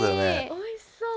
おいしそう！